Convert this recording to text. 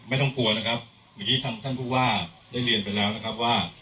ไม่ต้องกลัวนะครับเมื่อกี้ท่านผู้ว่าได้เรียนไปแล้วนะครับว่า